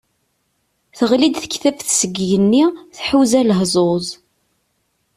Teɣli-d tektabt seg igenni, tḥuza lehẓuz.